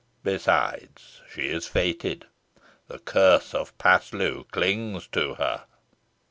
Besides, she is fated. The curse of Paslew clings to her."